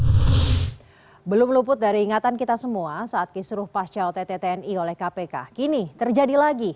hai belum luput dari ingatan kita semua saat kisruh pascaw tttni oleh kpk kini terjadi lagi